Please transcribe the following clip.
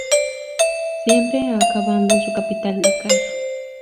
Siempre acabando en su capital, Dakar.